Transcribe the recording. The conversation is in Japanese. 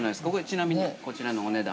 ちなみに、こちらのお値段。